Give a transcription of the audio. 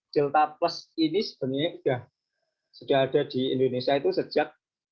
delta plus ini sebenarnya sudah ada di indonesia itu sejak